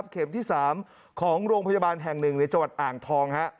เข็มที่๓ของโรงพยาบาลแห่งหนึ่งในจังหวัดอ่างทอง